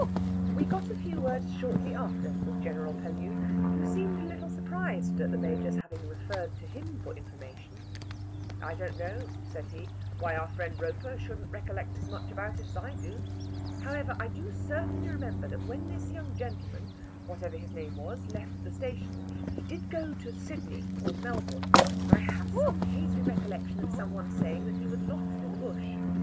We got a few words shortly after with General Pellew, who seemed a little surprised at the Major's having referred to him for information. "I don't know," said he, "why our friend Roper shouldn't recollect as much about it as I do. However, I do certainly remember that when this young gentleman, whatever his name was, left the station, he did go to Sydney or Melbourne, and I have some hazy recollection of some one saying that he was lost in the Bush.